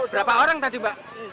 berapa orang tadi mbak